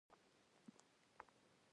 د زړه روغتیا د ټول بدن پر روغتیا اغېز لري.